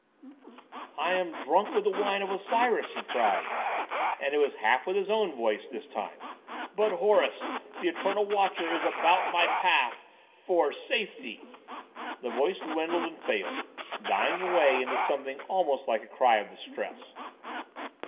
"I am drunk with the wine of Osiris," he cried,—and it was half with his own voice this time—"but Horus, the Eternal Watcher, is about my path—for—safety." The voice dwindled and failed, dying away into something almost like a cry of distress.